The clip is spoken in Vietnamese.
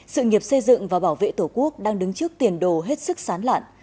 sự nghiệp xây dựng và bảo vệ tổ quốc đang đứng trước tiền đồ hết sức sán lạn